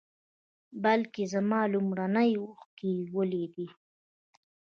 بلکې زما لومړنۍ اوښکې یې ولیدې.